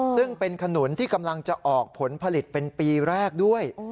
ซึ่งเป็นขนุนที่กำลังจะออกผลผลิตเป็นปีแรกด้วย